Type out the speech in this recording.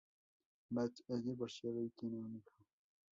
Bats es divorciado y tiene un hijo.